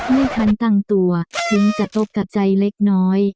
ไม่ทันตั้งตัวถึงจะตกกับใจเล็กน้อย